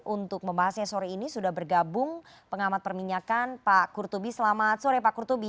untuk membahasnya sore ini sudah bergabung pengamat perminyakan pak kurtubi selamat sore pak kurtubi